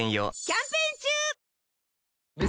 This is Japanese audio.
キャンペーン中！